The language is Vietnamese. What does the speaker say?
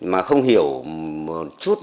mà không hiểu một chút